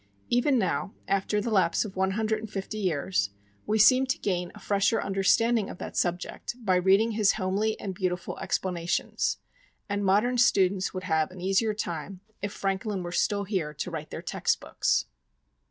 Even now, after the lapse of one hundred and fifty years, we seem to gain a fresher understanding of that subject by reading his homely and beautiful explanations; and modern students would have an easier time if Franklin were still here to write their text books."